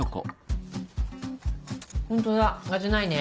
ホントだ味ないね。